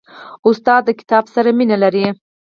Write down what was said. استاد د کتاب سره مینه لري.